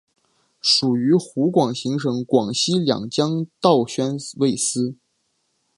属于湖广行省广西两江道宣慰司。